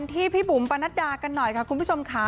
ที่พี่บุ๋มปนัดดากันหน่อยค่ะคุณผู้ชมค่ะ